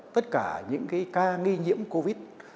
tất cả những cái ca nghi nhiễm covid